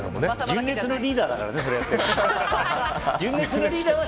純烈のリーダーだからねそれは。